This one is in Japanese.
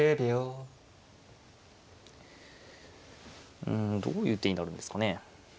うんどういう手になるんですかね。